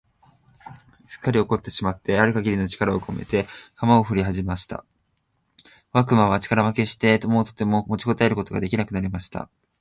すっかり怒ってしまってある限りの力をこめて、鎌をふりはじました。小悪魔は力負けして、もうとても持ちこたえることが出来なくなりました。